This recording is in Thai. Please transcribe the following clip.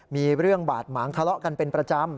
มีเรื่องบาดหมางทะเลาะกันเป็นประจำ